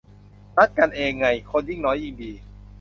นัดกันเองไง คนยิ่งน้อยยิ่งดี